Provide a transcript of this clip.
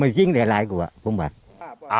มันชิ้นเหลือหลายกว่าผมว่า